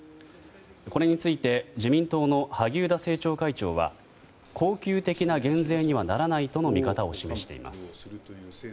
これについて自民党の萩生田政調会長は恒久的な減税にはならないとの見方を示しています。